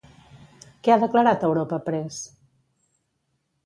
Què ha declarat a Europa Press?